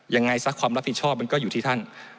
ยังไงซะความรับผิดชอบมันก็อยู่ที่ท่าน